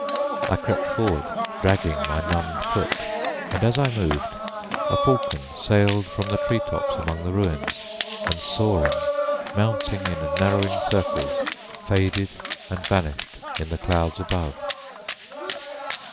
I crept forward, dragging my numbed foot, and as I moved, a falcon sailed from the tree tops among the ruins, and soaring, mounting in narrowing circles, faded and vanished in the clouds above.